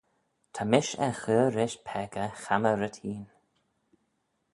Ta mish er chur rish peccah chammah rhyt hene.